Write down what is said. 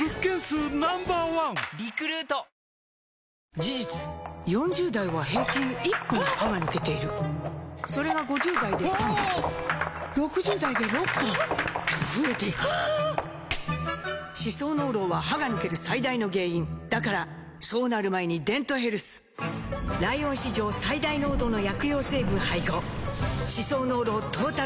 事実４０代は平均１本歯が抜けているそれが５０代で３本６０代で６本と増えていく歯槽膿漏は歯が抜ける最大の原因だからそうなる前に「デントヘルス」ライオン史上最大濃度の薬用成分配合歯槽膿漏トータルケア！